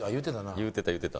言うてた言うてた。